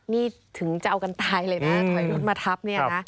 นี่ถึงจะเอากันตายเลยนะถอยรถมาทับ